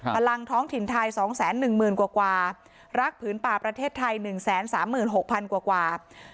พลังท้องถิ่นไทยสองแสนหนึ่งหมื่นกว่ากว่ารักผืนป่าประเทศไทยหนึ่งแสนสามหมื่นหกพันกว่ากว่า